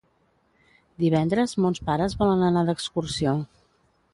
Divendres mons pares volen anar d'excursió.